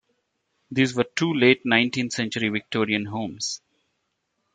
These were two late Nineteenth Century Victorian homes.